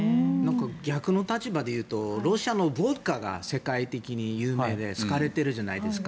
逆の立場で言うとロシアのウォッカが世界的に有名で好かれているじゃないですか。